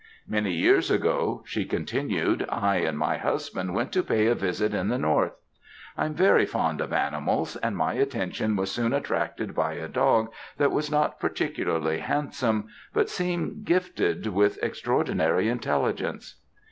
"Many years ago," she continued, "I and my husband went to pay a visit in the north. I am very fond of animals, and my attention was soon attracted by a dog that was not particularly handsome, but seemed gifted with extraordinary intelligence.